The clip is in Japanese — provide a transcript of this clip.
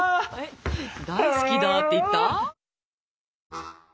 大好きだって言った？